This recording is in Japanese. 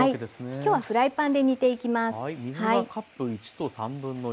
きょうはフライパンで煮ていきます。